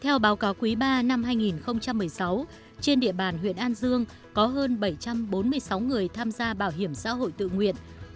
theo báo cáo quý ba năm hai nghìn một mươi sáu trên địa bàn huyện an dương có hơn bảy trăm bốn mươi sáu người tham gia bảo hiểm xã hội tự nguyện